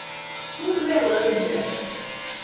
Turvelândia